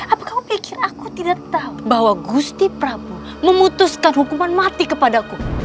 apa kamu pikir aku tidak tahu bahwa gusti prabu memutuskan hukuman mati kepadaku